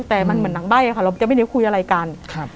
แต่มันเหมือนหนังใบ้ค่ะเราจะไม่ได้คุยอะไรกัน